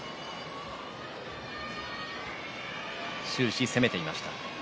終始攻めていました。